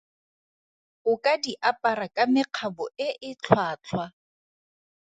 O ka di apara ka mekgabo e e tlhwatlhwa.